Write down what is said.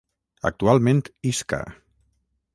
Actualment Isca!